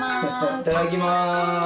いただきます。